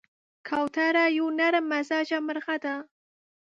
کوتره یو نرممزاجه مرغه ده.